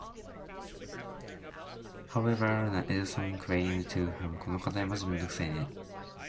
However, Edson claimed to have misinterpreted this remark as meaning he should be killed.